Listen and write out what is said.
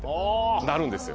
なるんですよ。